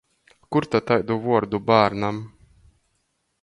Kur ta taidu vuordu bārnam!